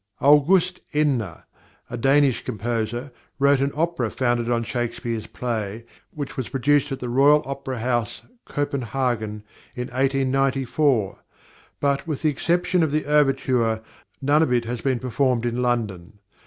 +August Enna+, a Danish composer, wrote an opera founded on Shakespeare's play, which was produced at the Royal Opera House, Copenhagen, in 1894; but, with the exception of the overture, none of it has been performed in London.